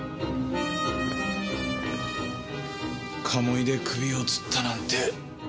鴨居で首をつったなんて。